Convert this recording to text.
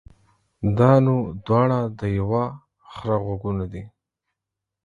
دا نو دواړه د يوه خره غوږونه دي.